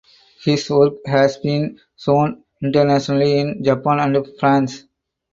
His work has been shown internationally in Japan and France.